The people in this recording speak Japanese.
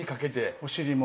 お尻も？